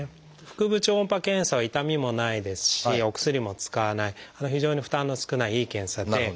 腹部超音波検査は痛みもないですしお薬も使わない非常に負担の少ないいい検査で。